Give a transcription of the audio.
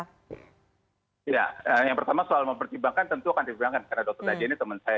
ya yang pertama soal mempertimbangkan tentu akan dipertimbangkan karena dr nadia ini teman saya